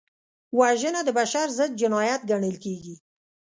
وژنه د بشر ضد جنایت ګڼل کېږي